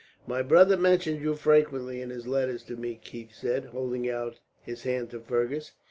"My brother mentioned you frequently, in his letters to me," Keith said, holding out his hand to Fergus.